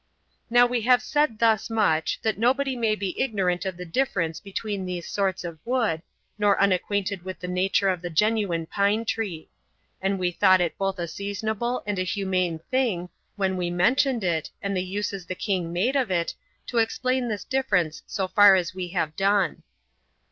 Now we have said thus much, that nobody may be ignorant of the difference between these sorts of wood, nor unacquainted with the nature of the genuine pine tree; and we thought it both a seasonable and humane thing, when we mentioned it, and the uses the king made of it, to explain this difference so far as we have done.